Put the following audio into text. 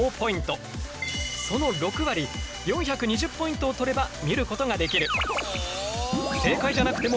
その６割４２０ポイントを取れば見ることができる。